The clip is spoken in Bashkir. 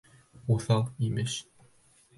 Уҫал, имеш.